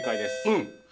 うん！